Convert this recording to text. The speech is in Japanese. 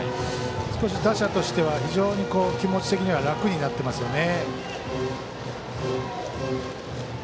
少し打者としては気持ち的には楽になっていますよね。